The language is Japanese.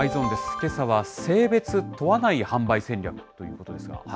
けさは性別問わない販売戦略ということですが。